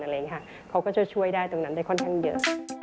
เขาก็จะช่วยได้ตรงนั้นได้ค่อนข้างเยอะ